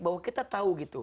bahwa kita tahu gitu